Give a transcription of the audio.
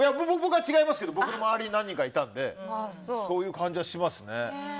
僕は違いますけど周りに何人かいたのでそういう感じはします。